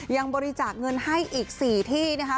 ยังบริจาคเงินให้อีก๔ที่นะคะ